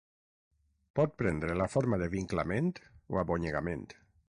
Pot prendre la forma de vinclament o abonyegament.